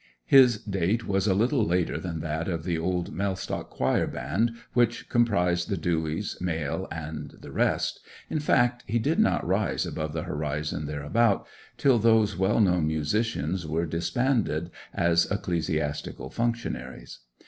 His date was a little later than that of the old Mellstock quire band which comprised the Dewys, Mail, and the rest—in fact, he did not rise above the horizon thereabout till those well known musicians were disbanded as ecclesiastical functionaries.